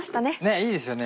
いいですよね